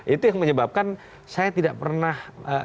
itu yang menyebabkan saya tidak pernah